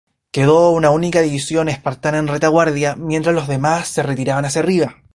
Quedó una única división espartana en retaguardia mientras los demás se retiraban hacia arriba.